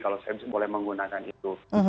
kalau saya boleh menggunakan itu